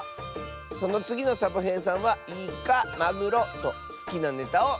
そのつぎのサボへいさんは「イカマグロ」とすきなネタをいってね！